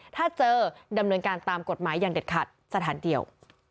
ถ้าเจอดำเนินการตามกฎหมายอย่างเด็ดขาดสถานเดียว